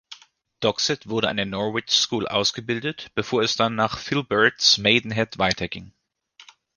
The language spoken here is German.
Doxat wurde an der Norwich School ausgebildet, bevor es dann nach Philberd's, Maidenhead weiterging.